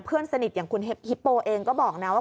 เพื่อนสนิทอย่างคุณฮิปโปเองก็บอกนะว่า